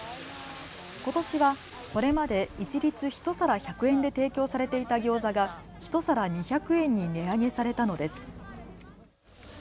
ことしはこれまで一律１皿１００円で提供されていたギョーザが１皿２００円に値上げされたのです。